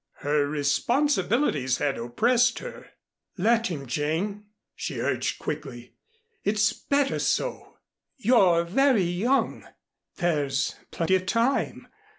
Her responsibilities had oppressed her. "Let him, Jane," she urged quickly. "It's better so. You're very young. There's plenty of time.